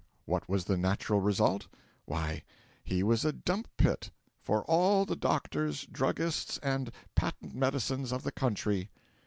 What was the natural result? Why, he was a dump pit 'for all the doctors, druggists, and patent medicines of the country.'